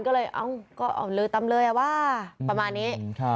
ก็เลยเอ้าก็เอาลือตำเลยว่าประมาณนี้